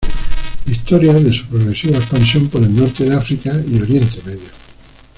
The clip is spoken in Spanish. La historia de su progresiva expansión por el norte de África y Oriente Medio.